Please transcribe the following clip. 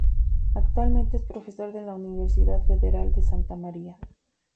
Actualmente es profesor de la Universidad Federal de Santa Maria.